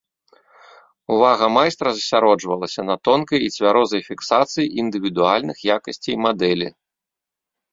Увага майстра засяроджвалася на тонкай і цвярозай фіксацыі індывідуальных якасцей мадэлі.